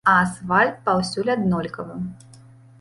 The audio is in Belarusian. А асфальт паўсюль аднолькавы.